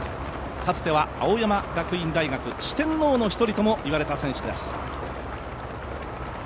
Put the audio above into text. かつては青山学院大学、四天王の１人とも言われた選手です。